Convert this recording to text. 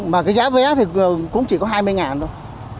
mà cái giá vé thì cũng chỉ có hai mươi thôi